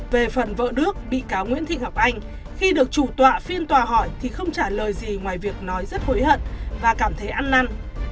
về phần vợ đước bị cáo nguyễn thị ngọc anh khi được chủ tọa phiên tòa hỏi thì không trả lời gì ngoài việc nói rất hối hận và cảm thấy ăn năn